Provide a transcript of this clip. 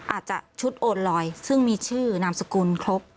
อาจจะชุดโอนลอยซึ่งมีชื่อนามสกุลครบ